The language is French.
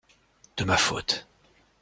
De ma faute.